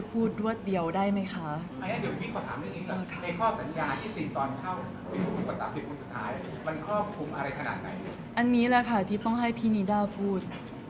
เพราะว่าสิ่งเหล่านี้มันเป็นสิ่งที่ไม่มีพยาน